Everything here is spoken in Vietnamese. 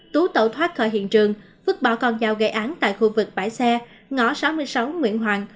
tú tẩu thoát khỏi hiện trường vứt bỏ con dao gây án tại khu vực bãi xe ngõ sáu mươi sáu nguyễn hoàng